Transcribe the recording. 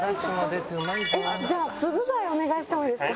じゃあつぶ貝お願いしてもいいですか？